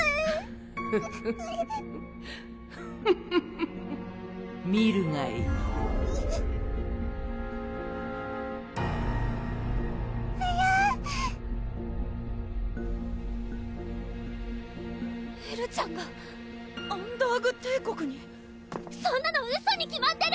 ・フッフッフッ・・フッフッフッフッ・・見るがいい・えるエルちゃんがアンダーグ帝国にそんなのウソに決まってる！